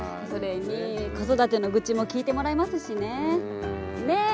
それに子育ての愚痴も聞いてもらえますしね。ね？